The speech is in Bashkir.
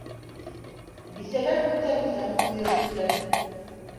Бисәләр үҙҙәренсә хөкөм йөрөттөләр.